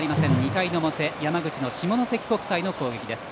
２回の表山口の下関国際の攻撃です。